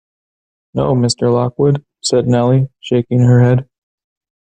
‘No, Mr. Lockwood,’ said Nelly, shaking her head.